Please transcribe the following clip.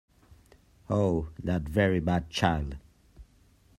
Oh, that very bad child!